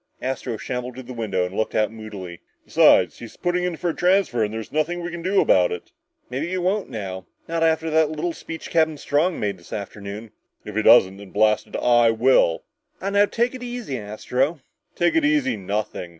Astro shambled to the window and looked out moodily. "Besides, he's putting in for a transfer and there's nothing we can do about it!" "Maybe he won't now not after that little speech Captain Strong made this afternoon." "If he doesn't, then, blast it, I will!" "Aw, now take it easy, Astro!" "Take it easy, nothing!"